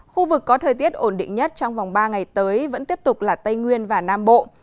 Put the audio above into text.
khu vực có thời tiết ổn định nhất trong vòng ba ngày tới vẫn tiếp tục là tây nguyên và nam bộ